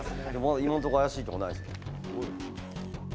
今のとこ怪しいとこないです。